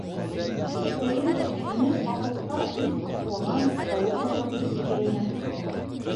Әсәйем. һине һаҡлыҡҡа өс ҡаҡлаған тауыҡ ҡуймаҡсы, тигәйне...